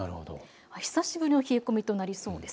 久しぶりの冷え込みとなりそうです。